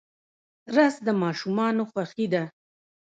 رس د ماشومانو خوښي ده